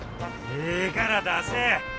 ええから出せ！